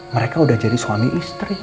mereka udah jadi suami istri